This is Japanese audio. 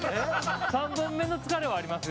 ３本目の疲れはありますよ。